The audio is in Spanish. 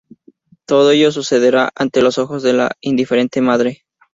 Todo ello sucederá ante los ojos de la indiferente madre.